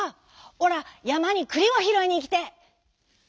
おらやまにくりをひろいにいきてえ」。